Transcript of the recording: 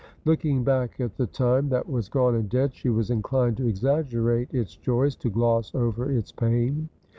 Looking back at the time that was gone and dead, she was inclined to exaggerate its joys, to gloss over its pain.